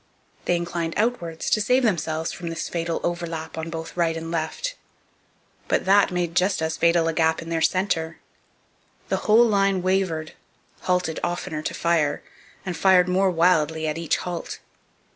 They inclined outwards to save themselves from this fatal overlap on both right and left. But that made just as fatal a gap in their centre. Their whole line wavered, halted oftener to fire, and fired more wildly at each halt.